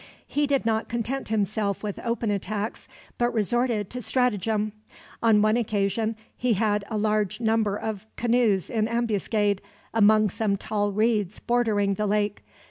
He did not content himself with open attacks, but resorted to stratagem. On one occasion he had a large number of canoes in ambuscade, among some tall reeds bordering the lake.